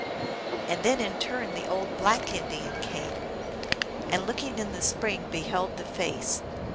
And then in turn the old black Indian came, and looking in the spring beheld the face.